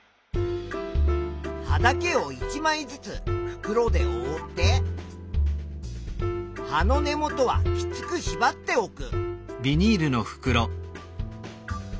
葉だけを１まいずつ袋でおおって葉の根元はきつくしばっておく。